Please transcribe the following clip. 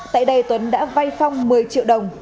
tại đây tuấn đã vay phong một mươi triệu đồng